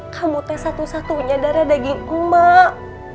kamu teh satu satunya darah daging emak